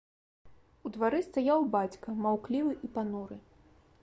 У двары стаяў бацька, маўклівы і пануры.